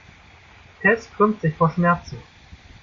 Tess krümmt sich vor Schmerzen.